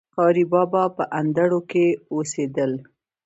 قاري بابا په اندړو کي اوسيدل